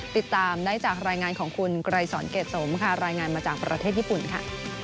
ติดตามได้จากรายงานของคุณไกรสอนเกรดสมค่ะรายงานมาจากประเทศญี่ปุ่นค่ะ